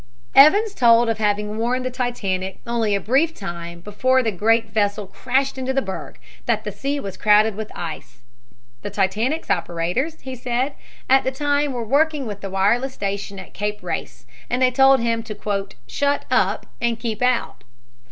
Evans told of having warned the Titanic only a brief time before the great vessel crashed into the berg that the sea was crowded with ice. The Titanic's operators, he said, at the time were working with the wireless station at Cape Race, and they told him to "shut up" and keep out.